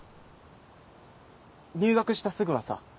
入学したすぐはさ